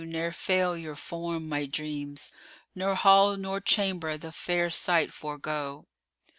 Ne'er fail your form my dreams; * Nor hall nor chamber the fair sight forego!